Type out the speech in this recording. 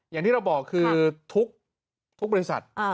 อย่างที่เราบอกคือทุกบริษัท